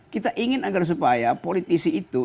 kita ingin agar supaya politisi itu